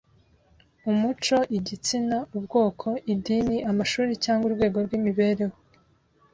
umuco, igitsina, ubwoko, idini, amashuri cyangwa urwego rw’imibereho